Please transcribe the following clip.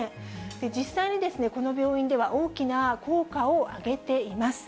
実際にこの病院では大きな効果を上げています。